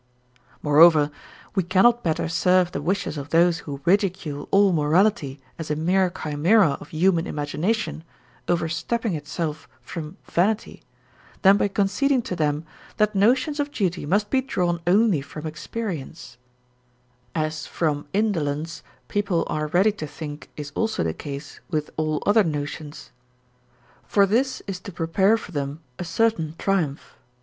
Moreover, we cannot better serve the wishes of those who ridicule all morality as a mere chimera of human imagination over stepping itself from vanity, than by conceding to them that notions of duty must be drawn only from experience (as from indolence, people are ready to think is also the case with all other notions); for or is to prepare for them a certain triumph.